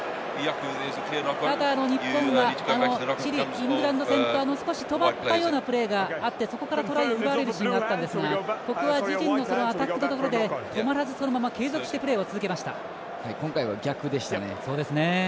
ただ、日本はチリ、イングランド戦と少し止まったようなプレーがあってそこからトライを奪われるシーンがあったんですが自陣のアタックのところで止まらず今回は逆でしたね。